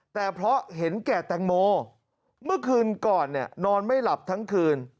แต่เพราะเห็นแก่แตงโมเมื่อคืนก่อนเนี่ยนอนไม่หลับทั้งคืน